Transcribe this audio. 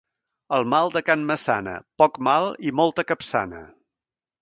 El mal de can Massana, poc mal i molta capçana.